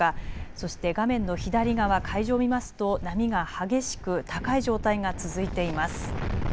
そして画面の左側、海上を見ますと波が激しく高い状態が続いています。